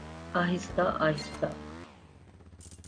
آہستہ آہستہ۔